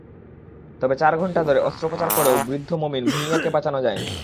তবে চার ঘণ্টা ধরে অস্ত্রোপচার করেও বৃদ্ধ মমিন ভূঁইয়াকে বাঁচানো যায়নি।